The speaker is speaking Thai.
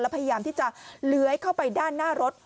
พยายามที่จะเลื้อยเข้าไปด้านหน้ารถ